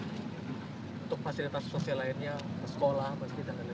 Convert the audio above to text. untuk fasilitas sosial lainnya sekolah